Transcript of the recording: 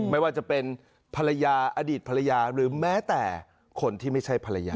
ไม่ว่าจะเป็นภรรยาอดีตภรรยาหรือแม้แต่คนที่ไม่ใช่ภรรยา